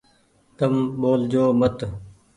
تم ٻول جو مت ۔